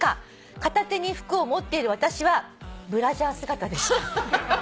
「片手に服を持っている私はブラジャー姿でした」